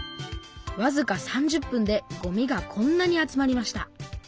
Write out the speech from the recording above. わずか３０分でごみがこんなに集まりました。